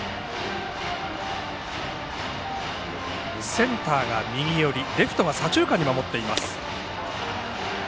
センターが右寄りレフトは左中間に守っています。